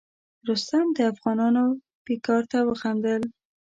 رستم د افغانیانو پیکار ته وخندل.